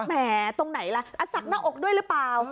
แหมตรงไหนล่ะอสักหน้าอกด้วยหรือเปล่า